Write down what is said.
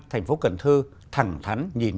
thành phố cần thư thẳng thắn nhìn nhận